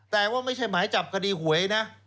แต่ว่าไม่ใช่หมายจับคดีหวยนะ